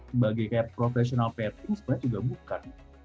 sebagai profesional plating sebenarnya juga bukan